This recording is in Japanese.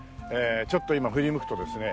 ちょっと今振り向くとですね